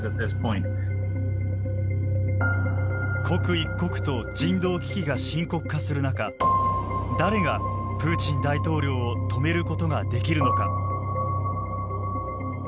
刻一刻と人道危機が深刻化する中誰がプーチン大統領を止めることができるのか。